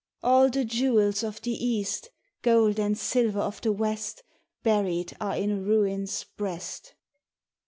All the jewels of the east, Gold and silver of the west, Buried are in ruin's breast.